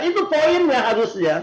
itu poin yang harusnya